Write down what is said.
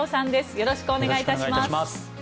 よろしくお願いします。